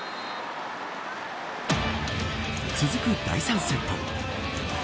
続く第３セット。